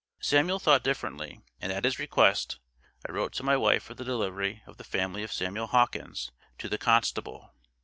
Samuel thought differently, and at his request, I wrote to my wife for the delivery of the family of Samuel Hawkins to the constable.